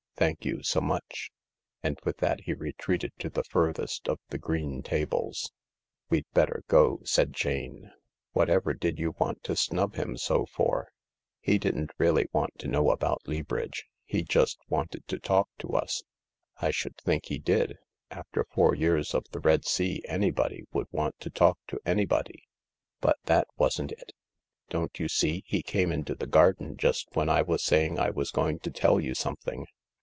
" Thank you so much." And with that he retreated to the furthest of the green tables. THE LARK 39 " We'd better go," said Jane. " Whatever did you want to snub him so for ?" "He didn't really want to know about Leabridge. He just wanted to talk to us." " I should think he did ! After four years of the Red Sea anybody would want to talk to anybody. But that wasn't it. Don't you see, he came into the garden just when I was saying I was going to tell you something.